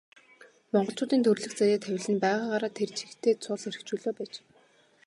Монголчуудын төрөлх заяа тавилан нь байгаагаараа тэр чигтээ цул эрх чөлөө байж.